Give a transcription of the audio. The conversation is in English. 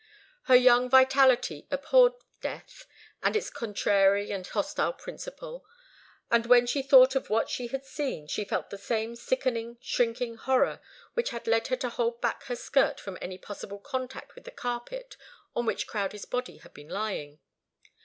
Her young vitality abhorred death, and its contrary and hostile principle, and when she thought of what she had seen, she felt the same sickening, shrinking horror which had led her to hold back her skirt from any possible contact with the carpet on which Crowdie's body had been lying.